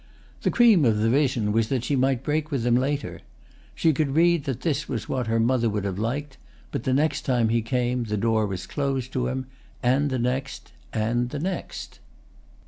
The cream of the vision was that she might break with him later. She could read that this was what her mother would have liked, but the next time he came the door was closed to him, and the next and the next.